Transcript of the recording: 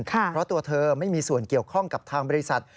เพราะตัวเธอไม่มีส่วนเกี่ยวข้องกับทางบริษัท